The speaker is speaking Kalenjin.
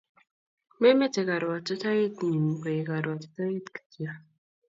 memete karwatutaet ngumg koek karwatutaet kityo